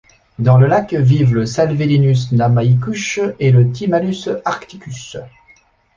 Dans le lac vivent le salvelinus namaycush et le thymallus arcticus.